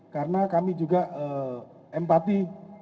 karena kami juga empati